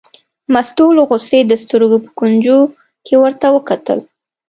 مستو له غوسې د سترګو په کونجو کې ور وکتل.